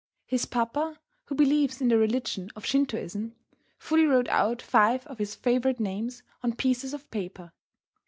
His papa, who believes in the religion of Shintoism, fully wrote out five of his favourite names on pieces of paper.